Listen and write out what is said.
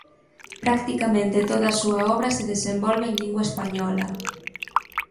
Practicamente toda a súa obra se desenvolve en lingua española.